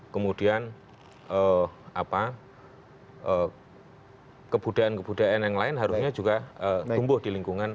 kemudian kebudayaan kebudayaan yang lain harusnya juga tumbuh di lingkungan